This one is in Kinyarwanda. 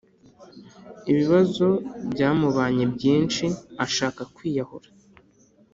ibibazo byamubanye byinshi ashaka kwiyahura